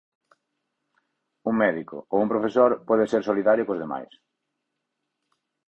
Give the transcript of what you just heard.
Un médico ou un profesor pode ser solidario cos demais.